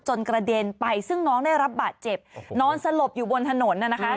กระเด็นไปซึ่งน้องได้รับบาดเจ็บนอนสลบอยู่บนถนนน่ะนะคะ